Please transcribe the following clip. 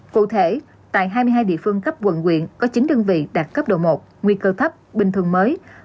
cụ thể tại hai mươi hai địa phương cấp quận quyện có chín đơn vị đạt cấp độ một nguy cơ thấp bình thường mới